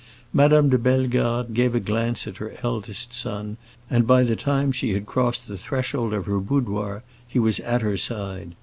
Madame de Bellegarde gave a glance at her eldest son, and by the time she had crossed the threshold of her boudoir he was at her side.